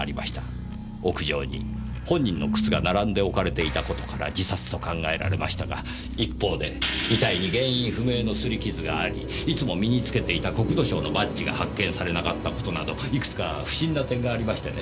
屋上に本人の靴が並んで置かれていたことから自殺と考えられましたが一方で遺体に原因不明のすり傷がありいつも身に着けていた国土省のバッジが発見されなかったことなどいくつか不審な点がありましてね。